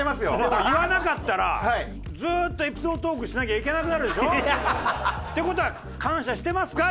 でも言わなかったらずっとエピソードトークしなきゃいけなくなるでしょ？っていう事は感謝してますか？